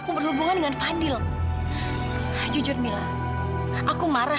ke egenteringsi kita pasti gugup populasi keluarga